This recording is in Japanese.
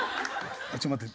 ちょっと待って。